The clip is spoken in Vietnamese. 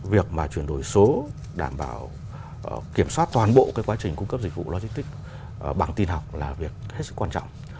việc mà chuyển đổi số đảm bảo kiểm soát toàn bộ quá trình cung cấp dịch vụ logistics bằng tin học là việc hết sức quan trọng